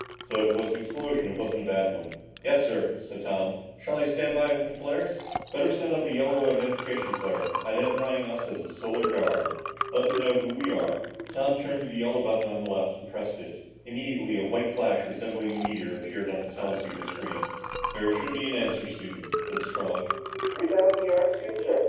"So if it was an explosion, it wasn't a bad one." "Yes, sir," said Tom. "Shall I stand by with the flares?" "Better send up a yellow identification flare, identifying us as the Solar Guard. Let them know who we are!" Tom turned to the yellow button on his left and pressed it. Immediately a white flash resembling a meteor appeared on the teleceiver screen. "There should be an answer soon," said Strong.